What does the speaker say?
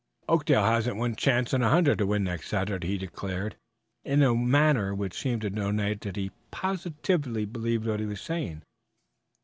"Oakdale hasn't one chance in a hundred to win next Saturday," he declared in a manner which seemed to denote that he positively believed what he was saying.